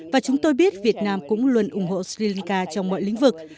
và chúng tôi biết việt nam cũng luôn ủng hộ sri lanka trong mọi lĩnh vực